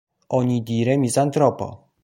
Onidire, mizantropo.